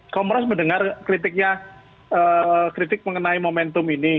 kongres mendengar kritiknya kritik mengenai momentum ini